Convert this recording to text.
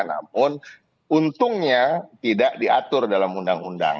namun untungnya tidak diatur dalam undang undang